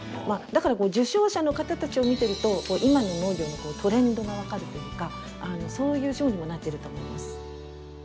まあだから受賞者の方たちを見てると今の農業のトレンドが分かるというかそういう賞にもなってると思います。